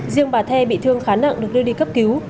riêng bà the bị thương khá nặng được đưa đi cấp cứu